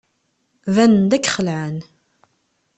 Banen-d akk xelɛen.